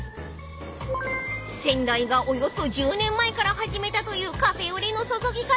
［先代がおよそ１０年前から始めたというカフェオレの注ぎ方］